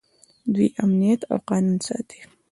دوی امنیت او قانون ساتي.